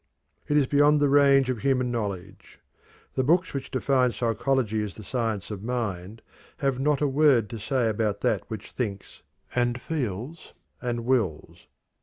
It is beyond the range of human knowledge. The books which define psychology as the science of mind have not a word to say about that which thinks, and feels, and wills.